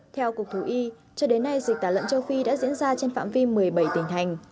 theo cục thủ y cho đến nay dịch tả lợn châu phi đã diễn ra trên phạm vi một mươi bảy tình hành